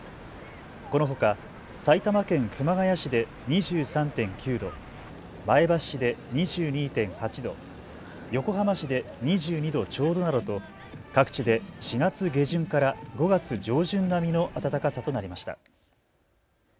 このほか埼玉県熊谷市で２３．９度、前橋市で２２．８度、横浜市で２２度ちょうどなどと各地で４月下旬から５月上旬並みの暖かさとなりました。